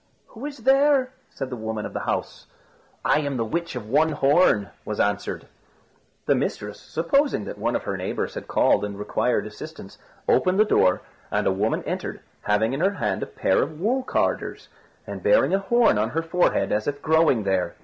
"Who is there?" said the woman of the house. "I am the Witch of one Horn," was answered. The mistress, supposing that one of her neighbours had called and required assistance, opened the door, and a woman entered, having in her hand a pair of wool carders, and bearing a horn on her forehead, as if growing there.